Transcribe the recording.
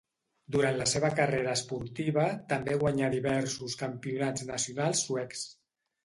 Durant la seva carrera esportiva també guanyà diversos campionats nacionals suecs.